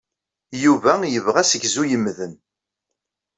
Yuba yebɣa assegzu yemmden.